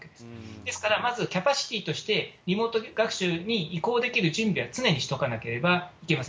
ですからまずキャパシティーとして、リモート学習に移行できる準備は常にしとかなければいけません。